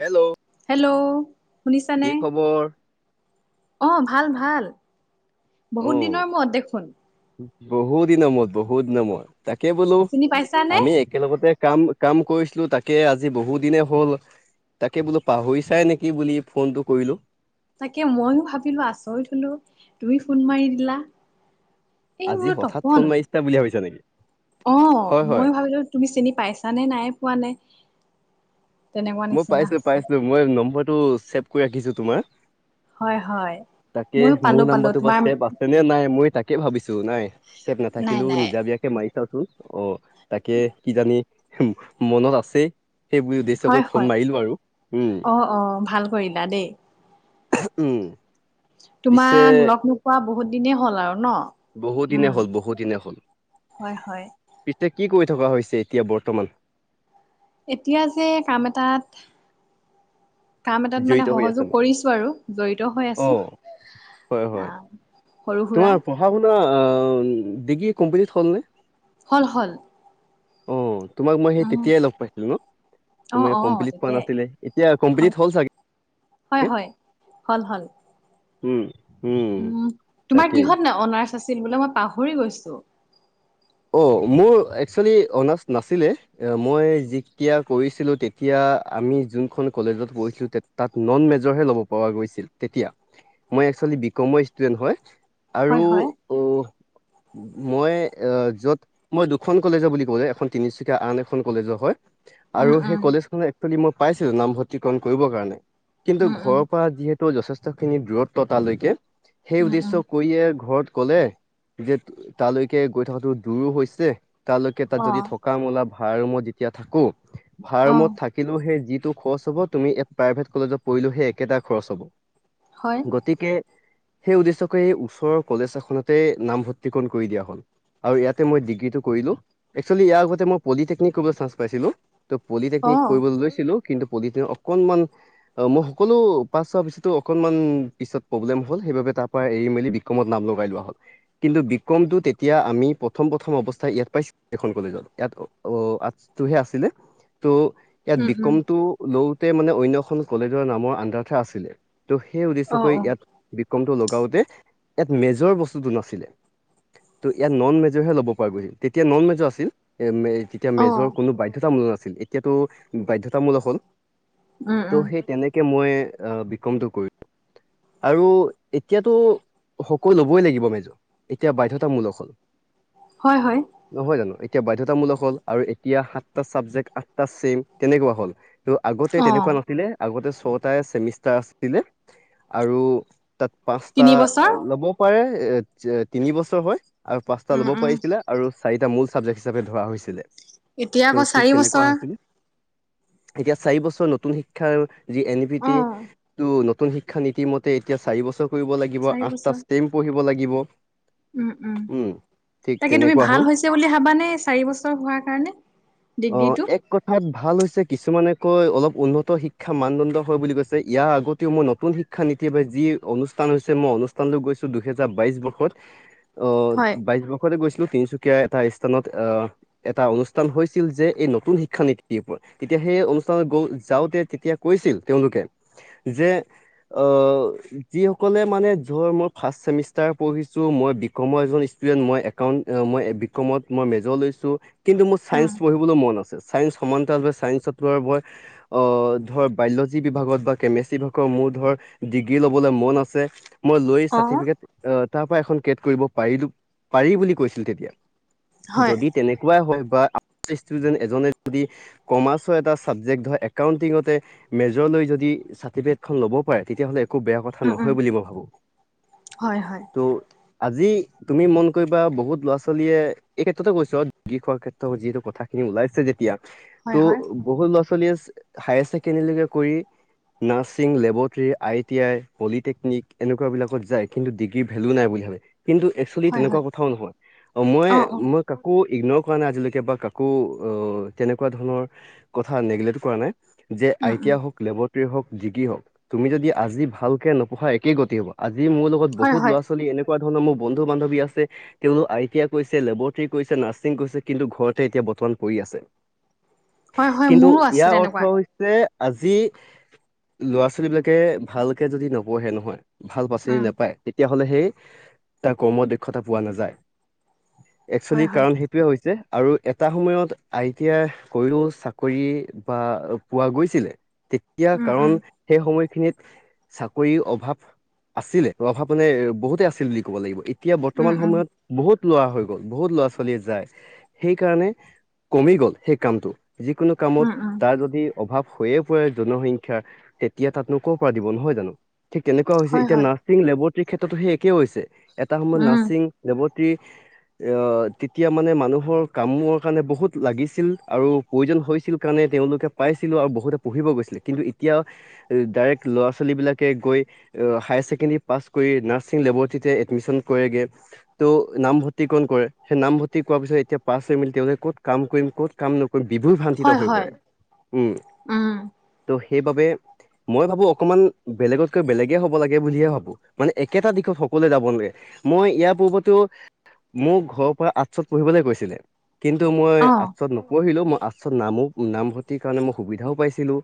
Hello hello কি খবৰ? আহ ভাল ভাল বহুত অ' দিনৰ মূৰত দেখোন। বহুত দিনৰ মূৰত বহুত দিনৰ মূৰত তাকে বোলো চিনি পাইছানে? আমি একেলগতে কাম কাম কৰিছিলো তাকে আজি বহু দিনে হ'ল তাকে বোলো পাহৰি চাই নেকি বুলি ফোনটো কৰিলো। তাকে ময়ো ভাবিলো আচৰিত হলো তুমি ফোন মাৰি দিলা এই আজি বোলো হঠাৎ তপন ফোন মাৰিছিলা বুলি ভাবিছা নেকি অ হয় হয় ময়ো ভাবিলো তুমি চিনি পাইছ নে নাই পোৱা নে। তেনেকুৱা মই নিচিনা পাইছো হৈছে। পাইছো, মই নম্বৰটো ছেভ কৰি ৰাখিছো তোমাৰ। হয় হয় তাকে, ময়ো মোৰ পালো পালো নাম্বাৰটো বা তোমাৰ ছেভ আছে নে নাই মই তাকে কে, ভাবিছোঁ নাই চেভ নাই নাথাকিলো নাই নিজাববিয়াকে মাৰি চাওঁচোন, অ' তাকে কিজানি মনত আছেই সেই বুলি উদ্দেশ্য কৰি হয় ফোন মাৰিলো আৰু উম অ' অ' ভাল কৰিলা দেই উম' পিছে তোমাক, লগ নোপোৱা বহুত দিনেই হ'ল আৰু ন? বহু দিনে উম হ'ল বহু দিনে হ'ল, হয় হয় পিছে কি কৰি থকা হৈছে এতিয়া বৰ্তমান? এতিয়া যে কাম এটাত কাম এটাত মানে জড়িত হৈ আছা সহযোগ নে কৰিছো আৰু জড়িত হৈ অ আছো, হয় হয় আহ সৰু সুৰা তোমাৰ পঢ়া-শুনা, ডিগ্ৰী কমপ্লিট হ'লনে! হ'ল হ'ল। অ তোমাক মই সেই উম তেতিয়াই লগ পাইছিলো ন অ তুমি অ কমপ্লিট পোৱা তেতিয়াই নাছিলে, এতিয়া হয় কমপ্লিট হ'ল চাগে হয় হয়' হ'ল হ'ল। উম' উম' তোমাৰ তাকেই কিহত অৰ্নাচ আছিল, বোলে মই পাহৰি গৈছো? অ' মোৰ একচুৱেলি অনাৰ্ছ নাছিলে, মই যেতিয়া কৰিছিলো তেতিয়া আমি যোনখন কলেজত পঢ়িছিলো, তাত নন মেজৰ হে ল'ব পৰা গৈছিল তেতিয়া। মই একচুৱেলি বিক্ৰমৰ ষ্টুডেন্ত হয় আৰু হয় হয় অ' মই আহ' য'ত মই দুখন কলেজৰ বুলি ক'লে এখন তিনিচুকীয়া, আন এখন কলেজৰ হয় উম আৰু উম সেই কলেজখনত একচুৱেলি মই পাইছিলো নামভৰ্তিকৰণ কৰিবৰ কাৰণে, কিন্তু উম উম ঘৰৰ পৰা যিহেতু যথেষ্টখিনি দূৰত্ব তালৈকে, সেই উম উদ্দেশ্য উম কৰিয়ে ঘৰত ক'লে যে, তালৈকে গৈ থকাটো দূৰো হৈছে তালৈকে, তাত অ যদি থকা মেলা ভাড়া ৰুমত যেতিয়া থাকো ভাড়া অ ৰুমত থাকিলোও সেই যিটো খৰচ হ'ব, তুমি ইয়াত প্ৰাইভেট কলেজত পঢ়িলো সেই একেটা খৰচ হ'ব। হয় গতিকে সেই উদ্দেশ্যে কৰি, এই ওচৰৰ কলেজ এখনতে নামভৰ্তিকণ কৰি দিয়া হ'ল। আৰু ইয়াতে মই ডিগ্ৰীটো কৰিলো, একচুৱেলি ইয়াৰ আগতে মই পলিটেকনিক কৰিবলৈ চান্স পাইছিলো ত' অ পলিটেকনিক কৰিবলৈ লৈছিলো কিন্তু বডিটোয়ে অকণমান, মোৰ সকলো পাছচাভিচটো অকণমান পিছত প্ৰবলেম হ'ল সেই বাবে তাৰ পৰা এৰি মেলি বিক্ৰমত নাম লগাই লোৱা হ'ল, কিন্তু বিক্ৰমটো তেতিয়া আমি প্ৰথম প্ৰথম অৱস্থাই ইয়াত পাইছিলো, এইখন কলেজত ইয়াত অ' আৰ্টচটো হে আছিলে, ত' ইয়াত উম উম বিক্ৰমটো লওতে মানে অন্য এখন কলেজৰ নামৰ আন্দাৰতহে আছিলে। ত' সেই অ উদ্দেশ্যকৈ অ ইয়াত বিক্ৰমটো ললো লওতে, ইয়াত মেজৰ বস্তটো নাছিলে, ত ইয়াত নন মে জৰ হে ল'ব পৰা গৈছিল, তেতিয়া নন মেজ আছিল এম এ তেতিয়া অ মেজৰ কোনো বাধ্যতামূল নাছিল। এতিয়াতটো বাধ্যতামূলক হ'ল, উম ত' উম সেই তেনেকে মই অহ' বিক্ৰম টো কৰিলো। আৰু এতিয়াতো, সকলো ল'ব ই লাগিব মেজৰ এতিয়া বাধ্যয়তামূলক হ'ল। হয় হয় নহয় জানো? এতিয়া বাধ্যতামূলক হ'ল, আৰু এতিয়া সাতটা ছাবজেক্ট আঠটা চছেম তেনেকুৱা হ'ল। ত' আগতে অ তেনেকুৱা নাছিলে, আগতে ছটাই চেমিষ্টাৰ আছিলে আৰু তাত পাঁচটা তিনি বছৰ ল'ব পাৰে, এ তিনি বছৰ হয় আৰু পাঁচটা উম ল'ব উম পাৰিছিলে, আৰু চাৰিটা মূল চাবজেক্ট হিচাপে ধৰা হৈছিলে। এতিয়া ত' আকৌ ঠিক চাৰি তেনেকুৱা বছৰ হৈছিলে। এতিয়া চাৰি বছৰ নতুন শিক্ষাৰ, যি এন ই ভি অ টি নতুন শিক্ষা নীতি মতে এতিয়া চাৰি বছৰ কৰিব লাগিব, চাৰি আঠটা বছৰ ষ্টেম পঢ়িব লাগিব্ উম উম' তাকে তুমি তেনেকুৱা ভাল হ'ল হৈছে বুলি ভাবানে চাৰি বছৰ হোৱাৰ কাৰণে অ ডিগ্ৰীটো? এক কথাত ভাল হৈছে কিছুমানে কৈ অলপ উন্নত শিক্ষা মানদণ্ড হয় বুলি কৈছে, ইয়াৰ আগতেও মই নতুন শিক্ষা এটিয়াপাই যি অনুষ্ঠান হৈছে মই অনুষ্ঠানলৈ গৈছো, দুহেজাৰ বাইশ বৰ্ষত অ হয় বাইশ বৰ্ষ গৈছিলো তিনচুকীয়া এটা স্থানত আহ এটা অনুষ্ঠান হৈছিল যে এই নতুন শিক্ষা নীতিৰ ওপৰত। তেতিয়া সেই অনুষ্ঠানত গ যাওঁতে তেতিয়া কৈছিল তেওঁলোকে যে অ যিসকলে মানে ধৰ মই ফাছ চেমিষ্টাৰ পঢ়িছো মই বিকমৰ এজন ষ্টুডেণ্ট মই একাউন্ট মই বিকমত মই মেজৰ লৈছো কিন্তু মোৰ চাইন্ঞ্চ উম পঢ়িবলৈ মন আছে। ছায়েন্স সমান্তৰাল ছায়েন্সত লোৱা মই ধৰ বায়লজি বিভাগত বা কেমেষ্ট্ৰি বিভাগৰ মোৰ ধৰ ডিগ্ৰী ল'বলৈ মন আছে। মই লৈ অ চাৰ্টিফিকেট তাৰ পৰা এখন কেট কৰিব পাৰিলো পাৰি বুলি কৈছিল তেতিয়া হয় যদি তেনেকুৱাই হয় বা [inaudible] এজনে যদি কমাৰ্চৰ এটা চাবজেক্ট ধৰ একাউতিং ত এ মেজৰ লৈ লৈ যদি চাৰ্টিফিকেট খন যদি লব পাৰে তেতিয়াহলে একো বেয়া কথা উম উম নহয় বুলি মই ভাবো হয় হয় টো আজি তুমি মন কৰিবা বহুত ল'ৰা ছোৱালীয়ে এই ক্ষেত্ৰতে কৈছো ডিগ্ৰী খোৱাৰ ক্ষেত্ৰত যিহেতু কথা খিনি ওলাইছে যেতিয়া হয় ত' হয় বহুত ল'ৰা ছোৱালীয়ে হায়াৰ ছেকেণ্ডৰীলৈকে কৰি nursing laboratory I T I polytechnic এনেকুৱা বিলাকত যায় কিন্তু ডিগ্ৰী ভেলো নাই বুলি ভাবে। কিন্তু একচুৱেলি হয় তেনেকুৱা হয় কথাও নহয় মই অ অ মই কাকো ইগনৰ কৰা নাই আজিলৈকে বা কাকো অ তেনেকুৱা ধৰণৰ কথা নেগলেক্ট কৰা নাই। যে উম আইটি উম এই হওক লেব তেৰি হওক জিকি হওক তুমি যদি আজি ভালকে নপঢ়া একেই গতি হ'ব আজ যি মোৰ লগত হয় বহুত হয় ল'ৰা ছোৱালী এনেকুৱা ধৰণৰ মোৰ বন্ধু বান্ধৱী আছে তেওঁলোক আই টি আই কৰিছে লেবতেৰী কৰিছে নাৰ্ছিং কৰিছে কিন্তু ঘৰতে এতিয়া বৰ্তমান পৰি আছে। হয় হয় কিন্তু মোৰো আছে ইয়াৰ অৰ্থ তেনেকুৱা হৈছে আজি ল'ৰা ছোৱালী বিলাকে ভালকে যদি নপহে নহয় ভাল পাচেনটি উম নেপায় তেতিয়াহলে সেই তাৰ কৰ্ম দক্ষতা পোৱা নাযায়। একচুৱেলি হয় হয় কাৰণ সেইটোয়ে হৈছে। আৰু এটা সময়ত আই টি আই কৰিও চাকৰি বা পোৱা গৈছিলে তেতিয়া উম কাৰণ উম সেই সময়খিনিত চাকৰি অভাৱ আছিলে অভাৱ মানে বহুতে আছিল বুলি ক'ব লাগিব এতিয়া বৰ্তমান উম উম সময়ত বহুত লৰা হৈ গ'ল বহুত ল'ৰা ছোৱালীয়ে যায় সেইকাৰণে কমি গল সেই কামটো যিকোনো কামত উম উম তাৰ যদি অভাৱ হৈয়ে পৰে জনসংখ্য তেতিয়া তাতনো ক' পৰা দিব নহয় জানো? ঠিক তেনেকুৱা হৈছে হয় এতিয়া হয় নাৰ্ছিং লেবতেৰীৰ ক্ষেত্ৰতোই হে একেই হৈছে এটা সময়ত উম নাৰছিং লেৱতেৰি এ তেতিয়া মানে মানুহৰ কামৰ কাৰণে বহুত লাগিছিল আৰু প্ৰয়োজন হৈছিল কাৰণে তেওঁলোকে পাইছিলো আৰু বহুতে পঢ়িব গৈছিলে কিন্তু এতিয়াও ডাইৰেক্ট ল'ৰা ছোৱালী বিলাকে গৈ হায়াৰ ছেকেণ্ডেৰী পাছ কৰি নাৰ্ছিং লেবতেৰীতে এডমিশ্যন কৰেগে। ত নামভৰ্তি কন কৰে সেই নামভৰ্তি কৰাৰ পিছত এতিয়া পাছ কৰি মেল তেওঁ ক'ত কাম কৰিম ক'ত কাম নকৰিম ধেই ভ্ৰানঠিত হয় হৈ হয় পৰে উম উম ত সেইবাবে মই ভাবো অকণমান বেলেগতকৈ বেলেগে হ'ব লাগে বুলিহে ভাবো মানে একেটা দিশ অকলে যাব নালাগে মই ইয়াৰ পূৰ্বতও মোক ঘৰৰ পৰা আৰ্টছত পঢ়িবলৈ কৈছিলে। কিন্তু মই অ আৰ্টছ ত নপঢ়িলো মই আৰ্টছত নামো নামভৰ্তিৰ কাৰণে মই সুবিধাও পাইছিলো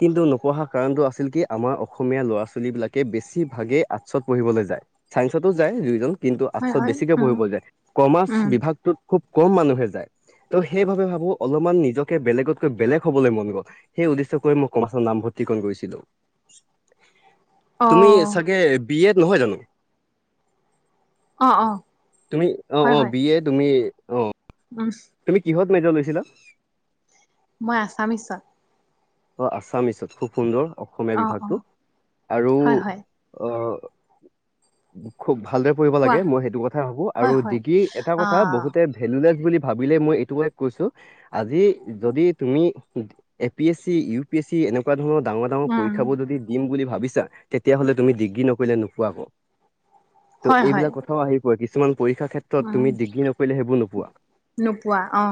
কিন্তু নপঢ়া কাৰণটো আছিল কি আমাৰ অ অসমীয়া ল'ৰা ছোৱালী বিলাকে বেছি ভাগে আৰ্টছত পঢ়িবলে যায় চাইন্সটো যায় ৰিজন কিন্তু হয় আচল হয় বেছিকে উম পঢ়িব যায় কমাৰ্চ উম বিভাগটোত খুব কম মানুহে যায়। ত' সেই বাবে ভাবো অলপমান নিজকে বেলেগতকৈ বেলেগ হ'বলে মন গ'ল সেই উদ্দেশ্যক লৈ মই কমাৰ্চত নামভৰ্তি টি কৰণ কৰিছিলোঁ। অ তুমি চাগে বি এট নহয় জানো? অ অ তুমি অ হয় অ হয় বি এ তুমি অ উম তুমি কিহত মেজৰ লৈছিলা মই আছামিছত অ আছামিচত খুব সুন্দৰ অসমীয়া অ অ বিভাগটো আৰু হয় হয় অ খুব ভালদৰে পঢ়িব কোৱা লাগে মই সেইটো কথা ভাবোঁ আৰু হয় হয় ডিগ্ৰী এটা কথা আহ বহুতে ভেলুলেছ বুলি ভাবিলে মই এই কৈছো আজি যদি তুমি A P AC U P এনেকুৱা ধৰণৰ ডাঙৰ ডাঙৰ উম, পৰিক্ষাবোৰ দিম বুলি ভাবি ছা তেতিয়া হলে তুমি ডিগ্ৰী নকৰিলে নোখোৱাক হয় ত' হয়। এইবিলাক কথাও আহি পৰে কিছুমান পৰীক্ষাৰ ক্ষেত্ৰত উম, তুমি ডিগ্ৰী নকৰিলে সেইবোৰ নোপোৱা নোপোৱা অ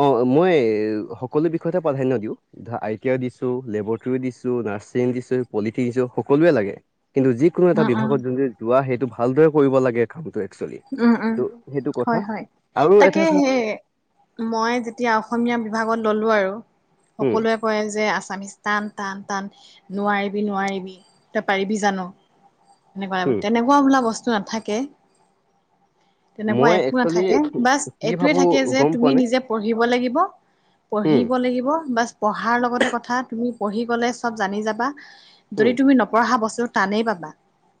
অ মই সকলো বিষয়তে প্ৰাধান্য দিওঁ আই টি‌ আই দিছো লেবৰেটৰ দিছো নাৰছিং দিছো পলিটেক দিছো সকলোৱে লাগে [unintelligible] কিন্তু যিকোনো এটা উম, উম, বিভাগত যোন যোৱা সেইটো ভালদৰে কৰিব লাগে কামটো একচুৱেলি উম, উম, ত এইটো কথা হয় হয়। আৰু তাকে এটা সেই মই যেতিয়া অসমীয়া বিভাগত ললো আৰু উম সকলোৱে কয় যে আছামিছ টান টান টান নোৱাৰিবি নোৱাৰিবি তই পাৰিবি জানো উম সেনেকুৱা তেনেকুৱা বোলা বস্তু নাথাকে তেনেকুৱা মই একো একচুৱেলি নাথাকে বাচ কি এইটোৱে ভাবো থাকে যে গম পোৱা তুমি নে নিজে পঢ়িব লাগিব উম পঢ়িব লাগিব বাচ পঢ়াৰ লগতে কথা তুমি পঢ়ি গ'লে চব জানি যাবা উম যদি তুমি নপঢ়া বস্তুটো টানেই পাবা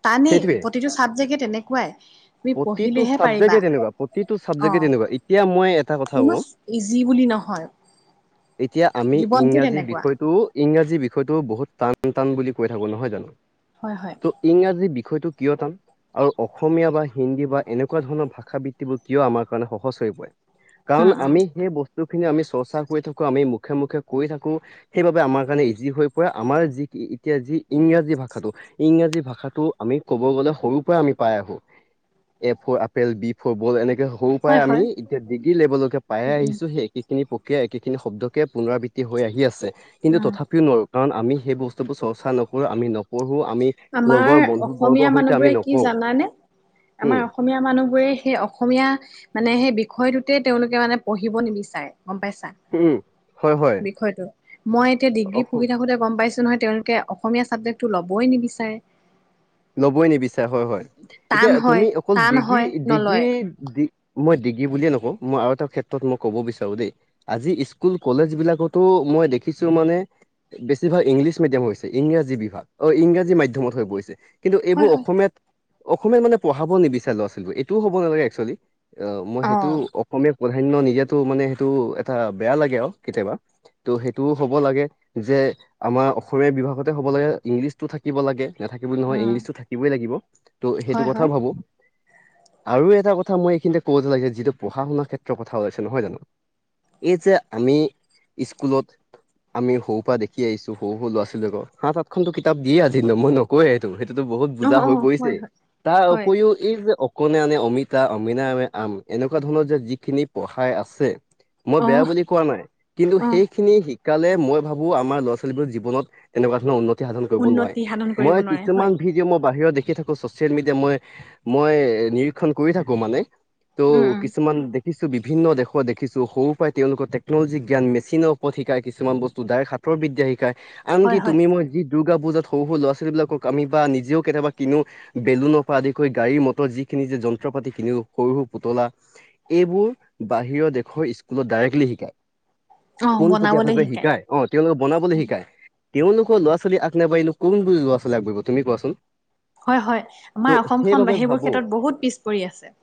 টানেই সেইটোৱে প্ৰতিটো চাবজেগে তেনেকুৱাই তুমি প্ৰতিটো পঢ়িলেহে পাৰিবা চাবজেক্টে তেনেকুৱা প্ৰতিটো অ চাবজেক্টে তেনেকুৱা এতিয়া মই এটা কথা কোনো কওঁ ইজি বুলি নহয় এতিয়া আমি জীৱনটোৱে ইংৰাজী তেনেকুৱা বিষয়টো ইংৰাজী বিষয়টো বহুত টান টান বুলি কৈ থাকো নহয় জানো হয় হয় ত' ইংৰাজী বিষয় বিষয়টো কিয় টান আৰু অসমীয়া বা হিন্দী বা এনেকুৱা ধৰণৰ ভাষা বৃত্তিবোৰ কিয় আমাৰ কাৰণে সহজ হৈ পৰে উম কাৰণ উম আমি সেই বস্তু বস্তু খিনি আমি চৰ্চা কৰি থাকো আমি মুখে মুখে কৰি থাকো সেইবাবে আমাৰ কাৰণে ইজি হৈ পৰে আমাৰ যি এতিয়া যি ইংৰাজী ভাষাটো ইংৰাজী ভাষাটো আমি কব গ'লে সৰুৰ পৰা আমি পাই আহো A for apple B for ball এনেকে সৰু পৰাই হয় আমি হয় এতিয়া ডিগ্ৰী লেভেলকে পাই উম উম আহিছো সেই একে খিনি প্ৰক্ৰিয়া একেখিনি শব্দকে পুনৰাবৃত্তি হৈ আহি আছে কিন্তু উম তথাপিও নোৱাৰো কাৰণ আমি সেই বস্তুবোৰ চৰ্চা নকৰোঁ আমি পঢ়ো আমি আমাৰ লগৰ বন্ধু অসমীয়া বৰ্গৰ সৈতে আমি মানুহবোৰে কি নকওঁ জানানে আমাৰ উম অসমীয়া মানুহ বোৰে সেই অসমীয়া মানে সেই বিষয় বিষয়টোতেই তেওঁলোকে মানে পঢ়িব নিবিচাৰে গম পাইছা উম হয় হয় বিষয়টো মই এতিয়া ডিগ্ৰী অ- পঢ়ি থাকোতে গম পাইছো নহয় তেওঁলোকে অসমীয়া ছাবজেক্টটো ল'বই নিবিচাৰে ল'বই নিবিচাৰে হয় হয় টান এতিয়া হয় তুমি অকল টান ডিগ্ৰী হয় ডিগ্ৰী নলয় মই ডিগ্ৰী বুলিয়ে নকওঁ মই আৰু এটা ক্ষেত্ৰত কব বিচাৰোঁ দেই আজি স্কুল কলেজ বিলাকতো মই দেখিছো মানে বেছিভাগ ইংলিচ মিডিয়াম হৈছে ইংৰাজী বিভাগ অ ইংৰাজী মাধ্যমত হৈ পৰিছে কিন্তু এইবোৰ হয় হয় অসমীয়াত অসমীয়াত মানে পঢ়াব নিবিচাৰে লৰা ছোৱালীবোৰ এইটোও হ'ব নালাগে একচুৱেলি অ মই সেইটো অসমীয়া প্ৰাধান্য নিদিয়াতো মানে সেইটো এটা বেয়া লাগে আৰু কেতিয়াবা ত' সেইটোও হ'ব লাগে যে আমাৰ অসমীয়া বিভাগতে হ'ব লাগে ইংলিছতটো থাকিব লাগে নাথাকিব নহয় উম ইংলিছো থাকিবই লাগিব ত' সেইটো হয় কথাও হয় ভাবো আৰু এটা কথা মই এইখিনিতে ক'ব লাগে যে যিটো পঢ়া শুনাৰ ক্ষেত্ৰৰ কথা ওলাইছে নহয় জানো এই যে আমি স্কুলত আমি সৰু পৰা দেখি আহিছো সৰু সৰু ল'ৰা ছোৱালীক সাত আঠখনতো কিতাপ দিয়ে আজি ন মই নকৌৱে সেইটো বস্তুটো বহুত অ বুজা অ হৈ পৰিছে হয় হয় তাৰ হয় উপৰিও এই যে অ কোনে আনে অমিতা অমিনাই আনে আম এনেকোৱা ধৰণৰ যে যিখিনি পঢ়াই আছে মই অ বেয়া বুলি কোৱা নাই কিন্তু অ সেইখিনি শিকি কালে মই ভাবো আমাৰ ল'ৰা ছোৱালীবোৰ জীৱনত তেনেকোৱা ধৰণৰ উন্নতি সাধন কৰিব নোৱাৰে উন্নতি সাধন কৰিব মই নোৱাৰে কিছুমান হয় ভিডিঅ' মই বাহিৰত দেখি থাকো চচিয়েল মিডিয়া মই মই নিৰীক্ষণ কৰি থাকো মানে ত উম উম কিছুমান দে খিছো বিভিন্ন দেশত দেখিছো সৰু পৰাই তেওঁলোকক টেকন'লজী জ্ঞান মেচিনৰ ওপৰত শিকাই কিছুমান বস্তু ডাইৰেক হাত তৰ বিদ্যা শিকায়, আনি হয় হয় তুমি মই যি দুৰ্গা পূজাত সৰু লৰা ছোৱালী বিলাকক আমি বা নিজেও কেতিয়াবা কিনো বেলুনৰ পৰা আদি কৰি গাড়ী মটৰ যিখিনি যে যন্ত্ৰ পাতি কিনিও সৰু সৰু পুতলা এইবোৰ বাহিৰৰ দেশৰ স্কুলত ডাইৰেক্টলি অ শিকায় বনাবলৈ পোনপটীয়াকৈ শিকায় অ তেওঁলোকে বনাবলৈ শিকায় তেওঁলোকৰ লৱা' ছোৱালী আগ নাবাঢ়ি কোন বোৰ ল'ৰা ছোৱালী আগবাঢ়িব তুমি কোৱাচোন হয় হয় ত' আমাৰ অসমখন সেইবাবে সেইবোৰ ভাবো ক্ষেত্ৰত বহুত পিছ পৰি আছে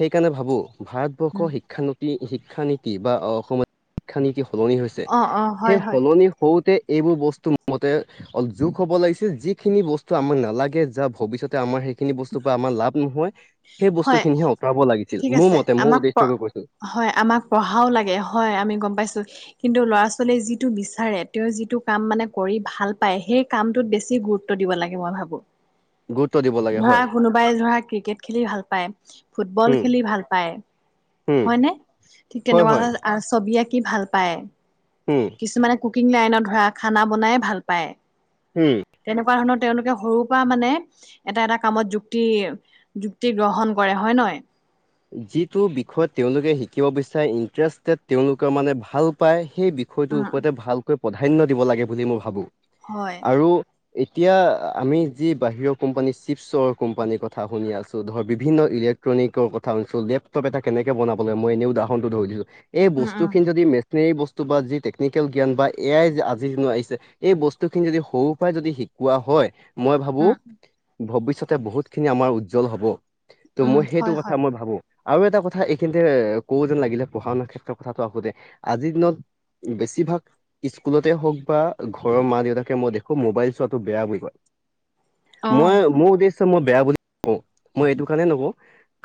সেইকাৰণে ভাবো ভাৰতবৰ্ষৰ উম, শিক্ষানতি শিক্ষানীতি বা অসমত শিক্ষানীতি সলনি হৈছে অ অ হয় সেই হয় সলনি হওঁতে এইবোৰ বস্তু মতে অলপ যোগ হ'ব লাগিছে যিখিনি বস্তু আমাক নালাগে যা ভৱিষ্যতে আমাৰ সেইখিনি বস্তুৰ পৰা আমাৰ লাভ নহয় সেই হয় বস্তুখিনিহে অতৰাব লাগিছিল ঠিক মোৰ আছে মতে মোৰ আমাক প উদ্দেশ্য গৈ কৈছিল হয় আমাক পঢ়াও লাগে হয় আমি গম পাইছো কিন্তু ল'ৰা ছোৱালীয়ে যিটো বিচাৰে তেওঁ যিটো কাম মানে কৰি ভাল পায় সেই কামটোত বেছি গুৰুত্ব দিব লাগে মই ভাবো গুৰুত্ব দিব লাগে ধৰা হয় কোনোবাই ধৰা ক্ৰিকেট খেলি ভাল পায় ফুটবল উম খেলি ভাল পায় উম হয়নে ঠিক হয় তেনেকোৱা হয় হলে আৰু ছবি আঁকি ভাল পায় উম কিছুমানে কুকিং লাইনত ধৰা খানা বনাই ভাল পায়। উম তেনেকোৱা ধৰণৰ তেওঁলোকে সৰুৰ পৰা মানে এটা এটা কামত যুক্তি যুক্তি গ্ৰহণ কৰে। হয় নহয়? যিটো বিষয় তেওঁলোকে শিকিব বিচাৰে ইণ্টাৰেষ্টেড তেওঁলোকে মানে ভাল পায় সেই বিষয়টোৰ উম ওপৰতে ভালকৈ প্ৰাধান্য দিব লাগে বুলি মই ভাবো। হয় আৰু এতিয়া আমি যি বাহিৰৰ কোম্পানী চিপছৰ কোম্পানীৰ কথা শুনি আছো ধৰ বিভিন্ন ইলেক্ট্ৰনিকৰ কথা শুনিছো লেপটপ এটা কেনেকে বনাব লাগে মই এনেই উদাহৰণটো ধৰি দিছো এই উম উম বস্তুখিনি যদি বস্তু বা যি টেকনিকেল জ্ঞান বা এ আই আজি দিনত আহিছে এই বস্তুখিনি যদি সৰুৰ পৰাই যদি শি কোৱা হয়, মই ভাবো উম ভৱিষ্যতে বহুত খিনি আমাৰ উজ্জ্বল হব। ত' উম মই সেইটো হয় কথা হয়। মই ভাবো আৰু এটা কথা এইখিনিতে কও যেন লাগিলে পঢ়া শুনাৰ ক্ষেত্ৰত কথাটো আহো দে আজিৰ দিনত বেছিভাগ স্কুলতে হওক বা ঘৰৰ মা দেউতাকে মই দেখো মোবাইল চোৱাটো বেয়া বুলি কয়। অ মই মোৰ উদ্দেশ্য মই বেয়া বুলি নকওঁ, মই এইটো কাৰণে নকওঁ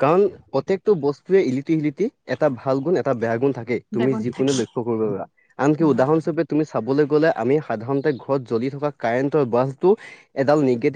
কাৰণ প্ৰত্যেকটো বস্তুৱে ইলিটি শিলিটি এটা ভাল গুণ এটা বেয়া গুণ থাকে, তুমি বেগত যিকোনো থাকি লক্ষ্য কৰিব পাৰিবা। আনকি উম। উদাহৰণস্বৰূপে তুমি চাবলে গলে আমি সাধাৰণতে ঘৰত জ্বলি থকা কাৰেন্টৰ বালবটো এডাল নিগেটিভ